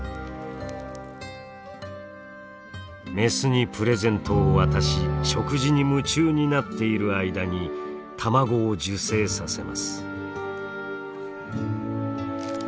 メスにプレゼントを渡し食事に夢中になっている間に卵を受精させます。